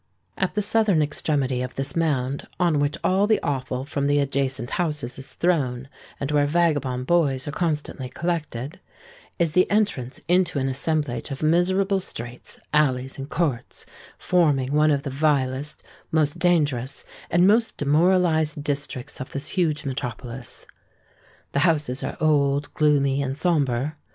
At the southern extremity of this mound (on which all the offal from the adjacent houses is thrown, and where vagabond boys are constantly collected) is the entrance into an assemblage of miserable streets, alleys, and courts, forming one of the vilest, most dangerous, and most demoralised districts of this huge metropolis. The houses are old, gloomy, and sombre.